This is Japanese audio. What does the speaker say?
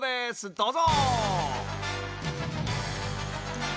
どうぞ！